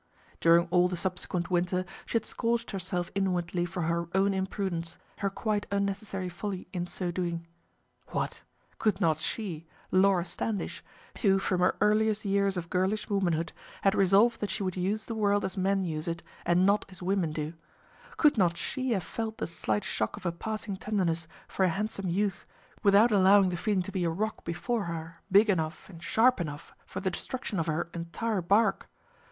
During all the subsequent winter she had scourged herself inwardly for her own imprudence, her quite unnecessary folly in so doing. What! could not she, Laura Standish, who from her earliest years of girlish womanhood had resolved that she would use the world as men use it, and not as women do, could not she have felt the slight shock of a passing tenderness for a handsome youth without allowing the feeling to be a rock before her big enough and sharp enough for the destruction of her entire barque?